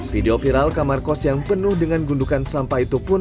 video viral kamar kos yang penuh dengan gundukan sampah itu pun